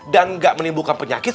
dan gak menimbulkan penyakit